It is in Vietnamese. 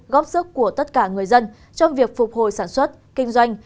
góp sức của tất cả người dân trong việc phục hồi sản xuất kinh doanh